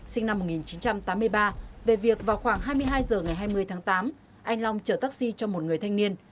sinh năm một nghìn chín trăm tám mươi ba về việc vào khoảng hai mươi hai h ngày hai mươi tháng tám anh long chở taxi cho một người thanh niên